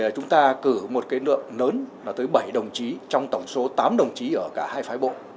chúng ta cử một cái lượng lớn là tới bảy đồng chí trong tổng số tám đồng chí ở cả hai phái bộ